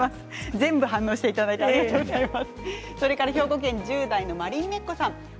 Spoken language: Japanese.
全部反応してくださってありがとうございます。